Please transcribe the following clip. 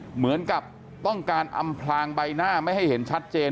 เหมือนกับต้องการอำพลางใบหน้าไม่ให้เห็นชัดเจน